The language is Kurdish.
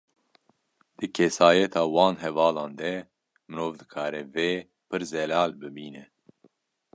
Di kesayeta van hevalan de mirov dikarê vê, pir zelal bibîne